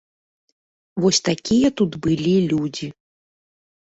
Вось такія тут былі людзі.